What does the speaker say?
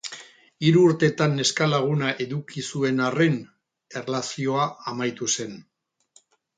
Hiru urtetan neskalaguna eduki zuen arren erlazioa amaitu zen.